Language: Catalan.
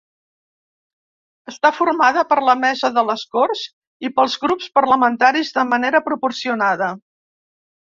Està formada per la Mesa de les Corts i pels grups parlamentaris de manera proporcionada.